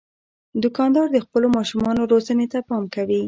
دوکاندار د خپلو ماشومانو روزنې ته پام کوي.